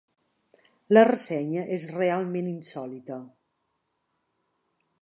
La ressenya és realment insòlita.